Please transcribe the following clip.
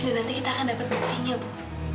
dan nanti kita akan dapat buktinya bu